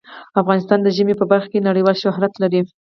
افغانستان د ژمی په برخه کې نړیوال شهرت لري.